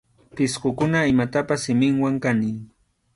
Pisqukuna imatapas siminwan kaniy.